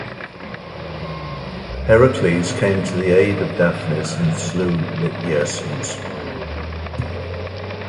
Heracles came to the aid of Daphnis and slew Lityerses.